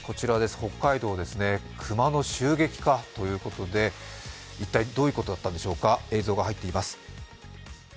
北海道ですね、熊の襲撃かということで、一体どういうことだったのでしょうか、映像が入っています。